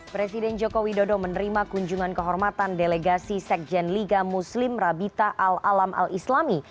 presiden joko widodo menerima kunjungan kehormatan delegasi sekjen liga muslim rabita al alam al islami